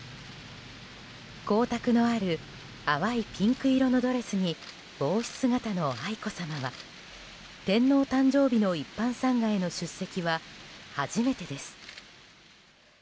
光沢のある淡いピンク色のドレスに帽子姿の愛子さまは天皇誕生日の一般参賀への出席は初めてです。